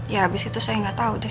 ya abis itu saya gak tau deh